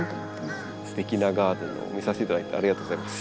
すてきなガーデンを見させていただいてありがとうございます。